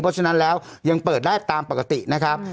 เพราะฉะนั้นแล้วยังเปิดได้ตามปกตินะครับ